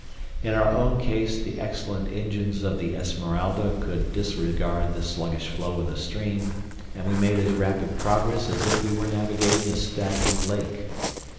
In our own case the excellent engines of the Esmeralda could disregard the sluggish flow of the stream, and we made as rapid progress as if we were navigating a stagnant lake.